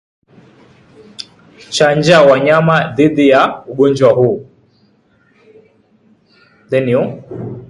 Chanja wanyama dhidi ya ugonjwa huu